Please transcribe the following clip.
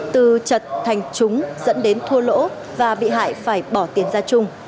từ chật thành chúng dẫn đến thua lỗ và bị hại phải bỏ tiền ra chung